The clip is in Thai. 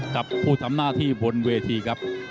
กับผู้ทำหน้าที่บนเวทีครับ